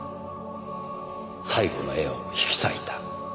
「最後の絵を引き裂いた」